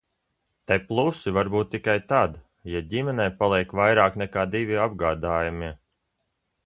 Te plusi var būt tikai tad, ja ģimenē paliek vairāk nekā divi apgādājamie.